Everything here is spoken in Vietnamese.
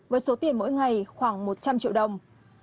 với số tiền mỗi ngày khoảng một trăm linh triệu đồng